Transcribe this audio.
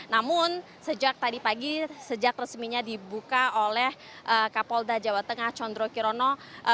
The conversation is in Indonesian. namun sejak tadi pagi sejak resminya dibuka oleh kapolda jawa tengah condro kirono